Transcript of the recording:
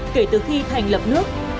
kể từ khi thành lập nước